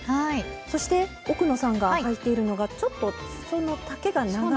そして奥野さんがはいているのがちょっとすその丈が長い。